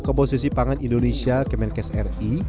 komposisi pangan indonesia kemenkes ri